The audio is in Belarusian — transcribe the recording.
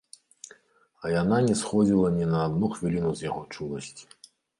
А яна не сходзіла ні на адну хвіліну з яго чуласці.